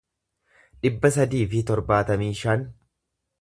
dhibba sadii fi torbaatamii shan